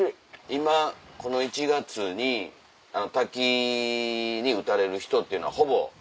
今この１月に滝に打たれる人っていうのはほぼ。